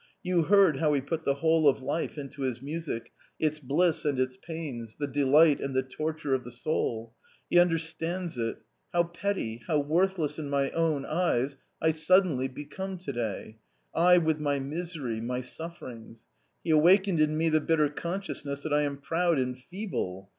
You heard how he put the whole of life into his music, its bliss and its pains, the delight and the torture of the soul. He understands it. How petty, how worthless in my own eyes I suddenly become to day, I with my misery, my sufferings !.... He awakened in me the bitter consciousness that I am proud and feeble.